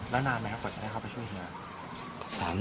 แล้วนานไหมครับกว่าจะได้เข้าไปช่วยเหลือ